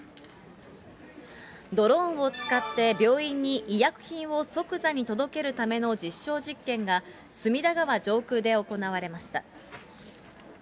ドローンを使って病院に医薬品を即座に届けるための実証実験が、隅田川上空で行われました。